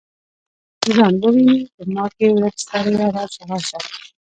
چې ځان وویني په ما کې ورک سړیه راشه، راشه